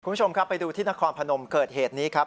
คุณผู้ชมครับไปดูที่นครพนมเกิดเหตุนี้ครับ